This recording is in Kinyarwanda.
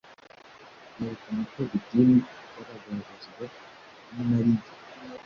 Byerekana ko idini itagaragazwa n’inarijye